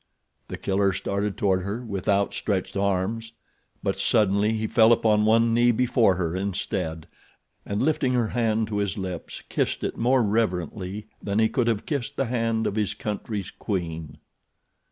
The Killer started toward her with outstretched arms; but suddenly he fell upon one knee before her, instead, and lifting her hand to his lips kissed it more reverently than he could have kissed the hand of his country's queen.